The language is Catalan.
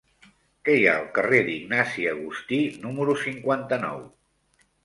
Què hi ha al carrer d'Ignasi Agustí número cinquanta-nou?